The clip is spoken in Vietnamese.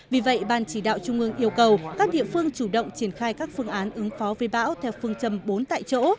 vì vậy ban chỉ đạo trung ương yêu cầu các địa phương chủ động triển khai các phương án ứng phó với bão theo phương châm bốn tại chỗ